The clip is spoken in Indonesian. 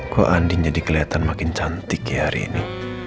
kok andi jadi kelihatan makin cantik ya hari ini